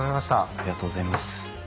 ありがとうございます。